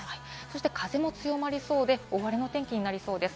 風も強まりそうで、大荒れの天気になりそうです。